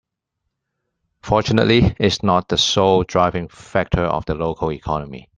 Fortunately its not the sole driving factor of the local economy.